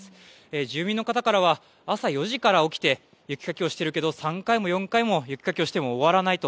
住民の方からは、朝４時から起きて雪かきをしているけど３回も４回も雪かきをしても終わらないと。